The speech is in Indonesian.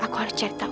aku harus cari tahu